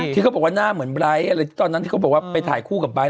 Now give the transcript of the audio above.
ที่เขาบอกว่าหน้าเหมือนไร้อะไรที่ตอนนั้นที่เขาบอกว่าไปถ่ายคู่กับไบท์